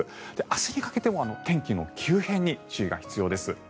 明日にかけても天気の急変に注意が必要です。